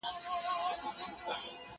نه په غم کي د مېږیانو د غمونو